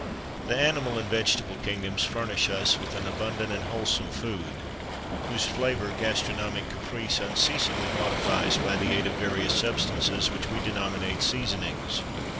THE animal and vegetable kingdoms furnish us with an abundant and wholesome food, whose flavour gastronomic caprice unceasingly modifies by the aid of various substances which we denominate seasonings.